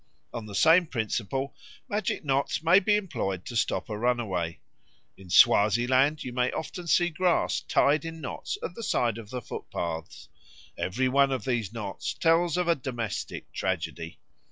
On the same principle magic knots may be employed to stop a runaway. In Swazieland you may often see grass tied in knots at the side of the footpaths. Every one of these knots tells of a domestic tragedy.